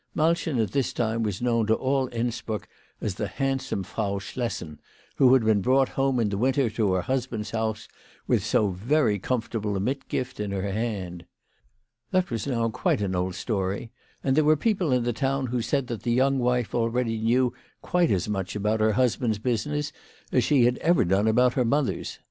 Malchen at this time was known to all Innsbruck as the handsome Frau Schlessen who had been brought home in the winter to her husband's house with so very comfortable a mitgift in her hand. That was now quite an old story, and there were people in the town who said that the young wife already knew quite as much about her husband's business as she had ever done about her mother's.